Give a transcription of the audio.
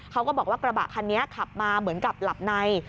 ก็บอกว่ากระบะคันนี้ขับมาเหมือนกับหลับใน